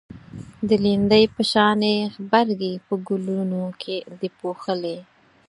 د لیندۍ په شانی غبرگی په گلونو دی پوښلی